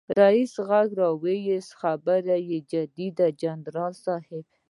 ريس غږ واېست خبره جدي ده جنرال صيب.